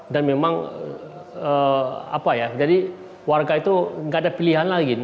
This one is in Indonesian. dan memang warga itu tidak ada pilihan lagi